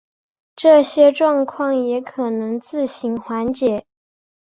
这些状况也可能自行缓解。